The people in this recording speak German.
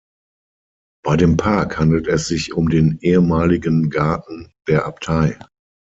Bei dem Park handelt es sich um den ehemaligen Garten der Abtei.